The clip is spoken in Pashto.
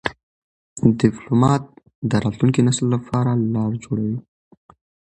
ډيپلومات د راتلونکي نسل لپاره لار جوړوي.